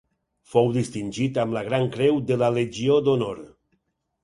Fou distingit amb la Gran Creu de la Legió d'Honor.